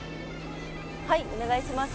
はいお願いします。